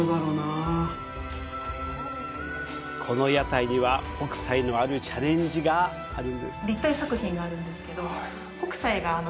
この屋台には北斎のあるチャレンジがえっ！？